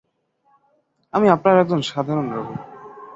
আমি আপনার একজন সাধারণ রোগী।